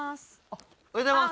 おはようございます！